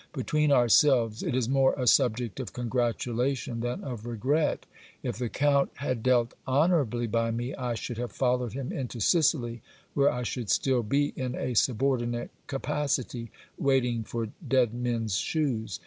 Between ourselves, it is more a subject of congratulation than of regret. If the count had dealt honourably by me, I should have followed him into Sicily, where I should still be in a subordinate capacity, waiting for dead men's shoes.